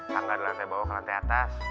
tangga di lantai bawah ke lantai atas